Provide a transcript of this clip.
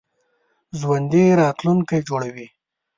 ژوندي راتلونکی جوړوي